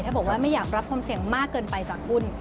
ถ้าบอกว่าไม่อยากรับความเสี่ยงมากเกินไปจากหุ้น